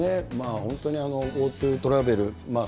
本当にＧｏＴｏトラベル